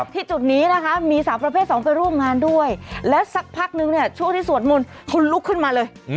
จุดนี้นะคะมีสาวประเภทสองไปร่วมงานด้วยแล้วสักพักนึงเนี่ยช่วงที่สวดมนต์เขาลุกขึ้นมาเลย